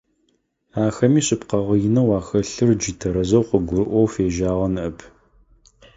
Ахэми шъыпкъэгъэ инэу ахэлъыр джы тэрэзэу къыгурыӀоу фежьагъэ ныӀэп.